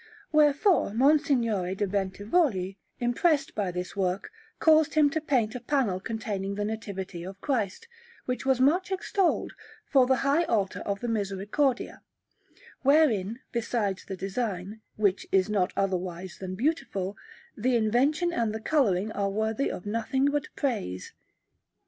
Wherefore Monsignore de' Bentivogli, impressed by this work, caused him to paint a panel containing the Nativity of Christ, which was much extolled, for the high altar of the Misericordia; wherein, besides the design, which is not otherwise than beautiful, the invention and the colouring are worthy of nothing but praise.